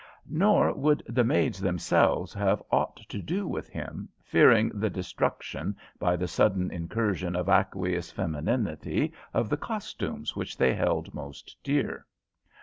Nor would the maids themselves have aught to do with him, fearing the destruction by the sudden incursion of aqueous femininity of the costumes which they held most dear.